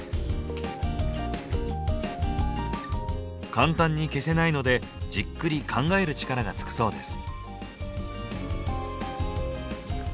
簡単に消せないのでじっくり考える力がつくそうです。